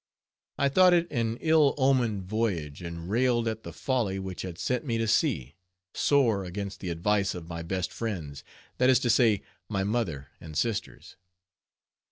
I thought it an ill omened voyage, and railed at the folly which had sent me to sea, sore against the advice of my best friends, that is to say, my mother and sisters.